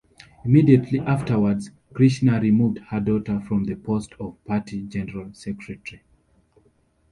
Immediately afterwards, Krishna removed her daughter from the post of party general secretary.